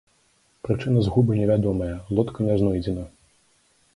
Прычына згубы невядомая, лодка не знойдзена.